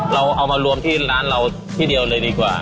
เราเอามารวมที่ร้านเราที่เดียวเลยดีกว่า